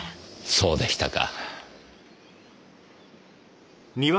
そうでしたか。